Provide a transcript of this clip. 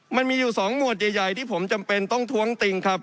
มันมีอยู่๒หมวดใหญ่ที่ผมจำเป็นต้องท้วงติงครับ